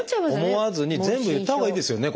思わずに全部言ったほうがいいですよね